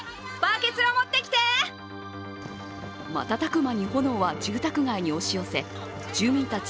瞬く間に炎は住宅街に押し寄せ住民たち